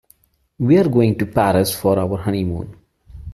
We're going to Paris for our honeymoon.